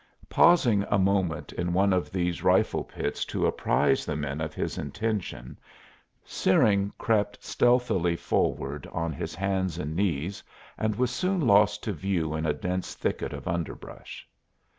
Pausing a moment in one of these rifle pits to apprise the men of his intention Searing crept stealthily forward on his hands and knees and was soon lost to view in a dense thicket of underbrush.